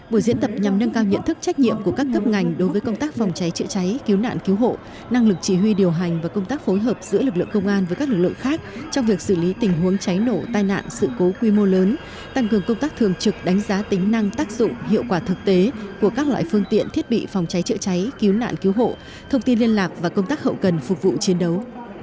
bộ diễn tập nhằm nâng cao nhận thức trách nhiệm của các cấp ngành đối với công tác phòng cháy chữa cháy cứu nạn cứu hộ năng lực chỉ huy điều hành và công tác phối hợp giữa lực lượng công an với các lực lượng khác trong việc xử lý tình huống cháy nổ tai nạn sự cố quy mô lớn tăng cường công tác thường trực đánh giá tính năng tác dụng hiệu quả thực tế của các loại phương tiện thiết bị phòng cháy chữa cháy cứu nạn cứu hộ thông tin liên lạc và công tác hậu cần phục vụ chiến đấu